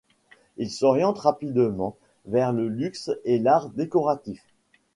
Il s'oriente rapidement vers le luxe et l'art décoratif.